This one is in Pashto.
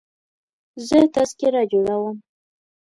زه تذکره جوړوم.